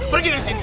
pergi dari sini